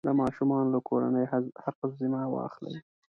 د ماشومانو له کورنیو حق الزحمه واخلي.